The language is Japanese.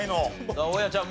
さあ大家ちゃん